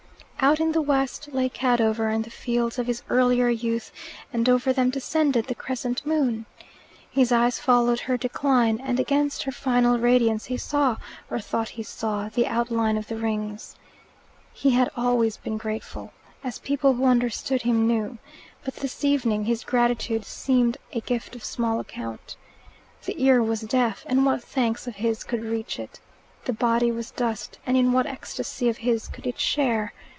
Out in the west lay Cadover and the fields of his earlier youth, and over them descended the crescent moon. His eyes followed her decline, and against her final radiance he saw, or thought he saw, the outline of the Rings. He had always been grateful, as people who understood him knew. But this evening his gratitude seemed a gift of small account. The ear was deaf, and what thanks of his could reach it? The body was dust, and in what ecstasy of his could it share?